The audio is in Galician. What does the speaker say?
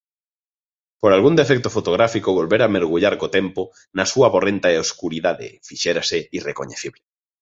Por algún defecto fotográfico volvera mergullar co tempo na súa borrenta escuridade, fixérase irrecoñecible.